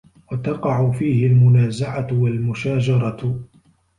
وَتَقَعُ فِيهِ الْمُنَازَعَةُ وَالْمُشَاجَرَةُ